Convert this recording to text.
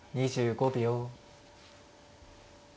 ２５秒。